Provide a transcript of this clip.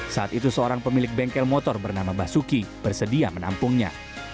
saat itu seorang pemilik bengkel motor bernama basuki bersedia menampungnya